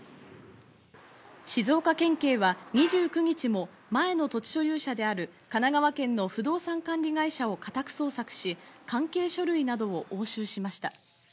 静岡県警は２９日も前の土地所有者である神奈川県の不動産管理会社を家宅捜索し、関係書類などを押収しました。